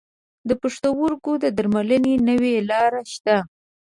د پښتورګو درملنې نوي لارې شته.